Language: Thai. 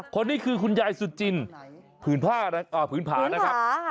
คนนี่คือคุณยายสุจินผืนผานะครับ